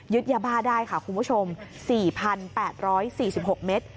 ยึดยาบาลได้ค่ะคุณผู้ชม๔๘๔๖เม็ด